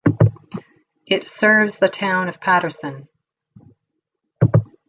It serves the town of Paterson.